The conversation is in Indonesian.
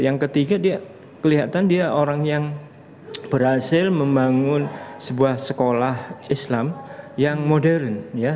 yang ketiga dia kelihatan dia orang yang berhasil membangun sebuah sekolah islam yang modern